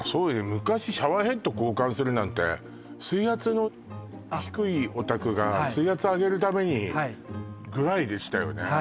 昔シャワーヘッド交換するなんて水圧の低いお宅が水圧上げるためにぐらいでしたよね